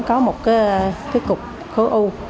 có một cái cục khối u